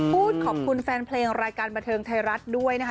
พูดขอบคุณแฟนเพลงรายการบันเทิงไทยรัฐด้วยนะคะ